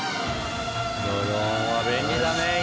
ドローンは便利だね今。